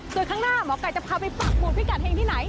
โดยข้างหน้าหมอกัยจะพาไปปรับบุญพิกัดเฮงที่ไหน